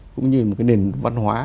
cũng như một cái nền văn hóa